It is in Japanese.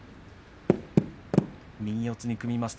右四つに組みますと